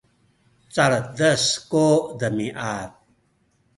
caledes ku demiad